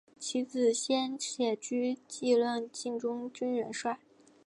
其子先且居继任晋中军元帅。